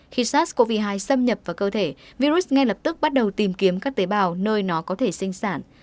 khi sars cov hai xâm nhập vào cơ thể virus ngay lập tức bắt đầu tìm kiếm các tế bào nơi nó có thể sinh sản